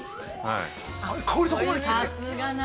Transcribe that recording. ◆香りがそこまで来てる。